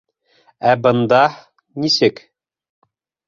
Ә бында... нисек?